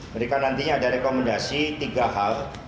mereka nantinya ada rekomendasi tiga hal